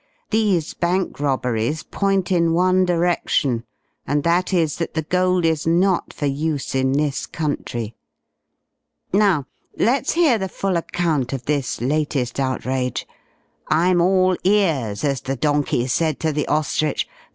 These bank robberies point in one direction, and that is, that the gold is not for use in this country. Now let's hear the full account of this latest outrage. I'm all ears, as the donkey said to the ostrich.